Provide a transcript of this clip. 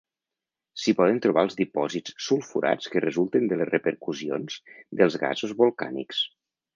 S'hi poden trobar els dipòsits sulfurats que resulten de les repercussions dels gasos volcànics.